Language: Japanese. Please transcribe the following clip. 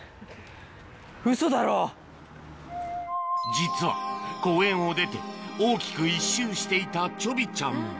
実は公園を出て大きく１周していたちょびちゃん